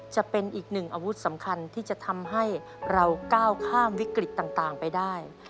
จะเป็นอีกหนึ่งอาวุธสำคัญที่จะทำให้เราก้าวข้ามวิกฤตต่างไปได้